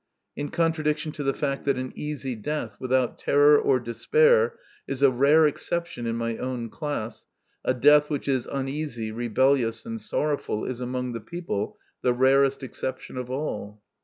In contradiction to the fact that an easy death, without terror or despair, is a rare exception in my own class, a death which is uneasy, rebellious, and sorrowful is among the people the rarest exception of all.